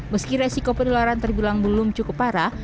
meski resiko penularan terbilang belum cukup parah